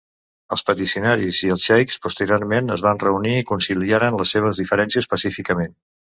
Els peticionaris i els xeics posteriorment es van reunir i reconciliaren les seves diferències pacíficament.